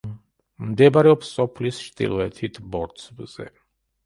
მდებარეობს სოფლის ჩრდილოეთით, ბორცვზე.